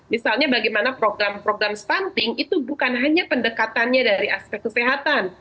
misalnya bagaimana program program stunting itu bukan hanya pendekatannya dari aspek kesehatan